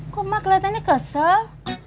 kok mak keliatannya kesel